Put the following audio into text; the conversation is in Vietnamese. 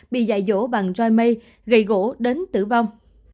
bị dạy dỗ bằng roi mây gây gỗ đến tử vong